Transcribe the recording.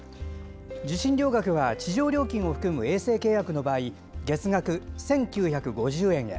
受信料額は地上料金を含む衛星契約の場合月額１９５０円へ。